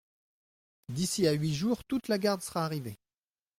D'ici à huit jours, toute la garde sera arrivée.